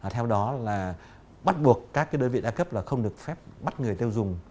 theo đó là bắt buộc các đối viện đa cấp không được phép bắt người tiêu dùng